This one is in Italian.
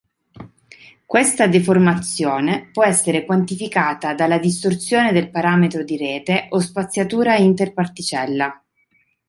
Questa deformazione può essere quantificata dalla distorsione del parametro di rete, o spaziatura inter-particella.